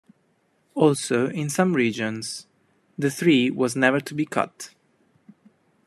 Also in some regions, the tree was never to be cut.